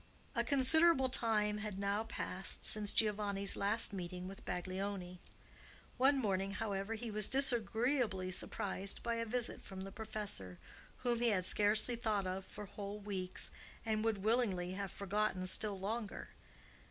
A considerable time had now passed since Giovanni's last meeting with Baglioni. One morning, however, he was disagreeably surprised by a visit from the professor, whom he had scarcely thought of for whole weeks, and would willingly have forgotten still longer.